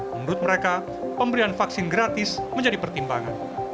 menurut mereka pemberian vaksin gratis menjadi pertimbangan